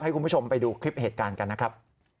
คุณผู้ชมไปดูคลิปเหตุการณ์กันนะครับ